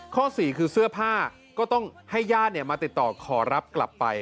ข้อ๔คือเสื้อผ้าก็ต้องให้ญาติมาติดต่อขอรับกลับไป